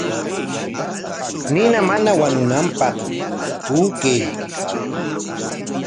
Nina mana wañunanpaq puukay.